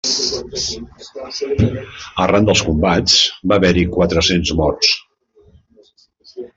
Arran dels combats, va haver-hi quatre-cents morts.